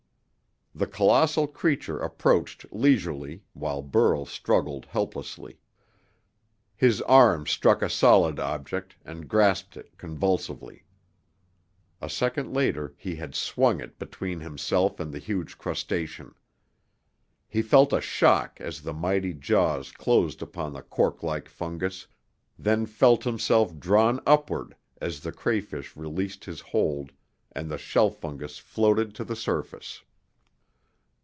The colossal creature approached leisurely, while Burl struggled helplessly. His arms struck a solid object, and grasped it convulsively. A second later he had swung it between himself and the huge crustacean. He felt a shock as the mighty jaws closed upon the corklike fungus, then felt himself drawn upward as the crayfish released his hold and the shelf fungus floated to the surface.